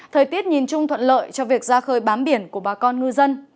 thời tiết nhìn chung thuận lợi cho việc ra khơi bám biển của bà con ngư dân